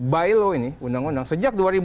by law ini undang undang sejak dua ribu